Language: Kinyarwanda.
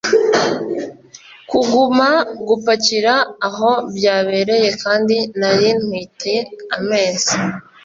kuguma gupakira aho byabereye kandi nari ntwite amezi .